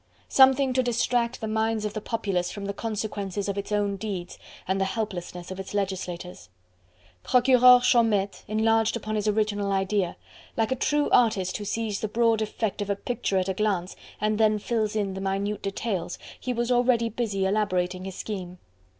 Something to distract the minds of the populace from the consequences of its own deeds, and the helplessness of its legislators. Procureur Chaumette enlarged upon his original idea; like a true artist who sees the broad effect of a picture at a glance and then fills in the minute details, he was already busy elaborating his scheme.